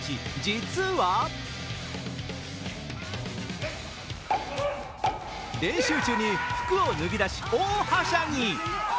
実は練習中に服を脱ぎだし、大はしゃぎ。